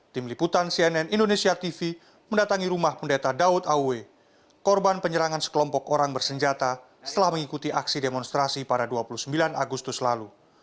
tim liputan cnn indonesia tv mendatangi rumah pendeta daud aw korban penyerangan sekelompok orang bersenjata setelah mengikuti aksi demonstrasi pada dua puluh sembilan agustus lalu